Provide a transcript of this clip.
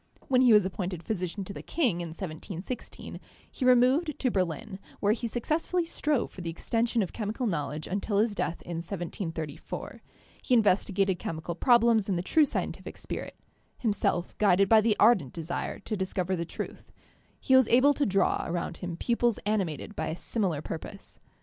When he was appointed physician to the king in 1716, he removed to Berlin, where he successfully strove for the extension of chemical knowledge until his death in 1734. He investigated chemical problems in the true scien tific spirit ; himself guided by the ardent desire to discover the truth, he was able to draw around him pupils animated by a similar purpose.